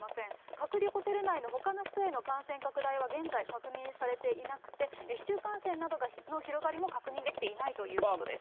隔離ホテル内の、ほかの人への感染拡大は現在、確認されていなくて、市中感染などの広がりも確認できていないということです。